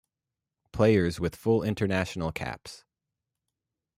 Players with full international caps.